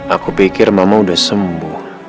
aku pikir mama udah sembuh